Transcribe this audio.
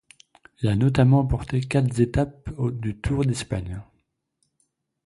Il a notamment remporté quatre étapes du Tour d'Espagne.